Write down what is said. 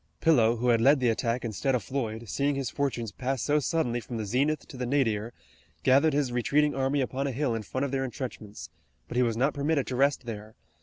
Pillow, who had led the attack instead of Floyd, seeing his fortunes pass so suddenly from the zenith to the nadir, gathered his retreating army upon a hill in front of their intrenchments, but he was not permitted to rest there.